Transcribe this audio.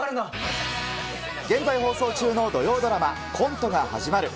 現在放送中の土曜ドラマ、コントが始まる。